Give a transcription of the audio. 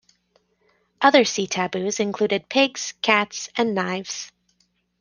Other sea taboos included pigs, cats, and knives.